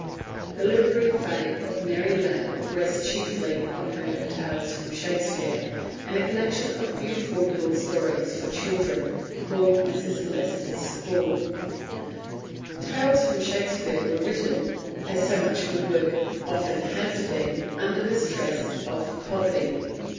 The literary fame of Mary Lamb rests chiefly on her Tales from Shakespeare, and a collection of beautiful little stories for children, called Mrs. Leicester's School. The Tales from Shakespeare were written, as so much good work has been, under the stress of poverty.